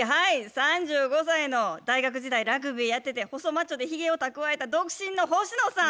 ３５歳の大学時代ラグビーやってて細マッチョでヒゲをたくわえた独身の星野さん。